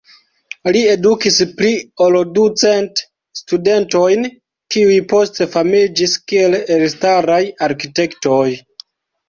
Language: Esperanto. Li edukis pli ol du cent studentojn, kiuj poste famiĝis kiel elstaraj arkitektoj.